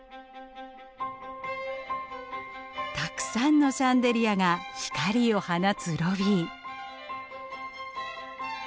たくさんのシャンデリアが光を放つロビー。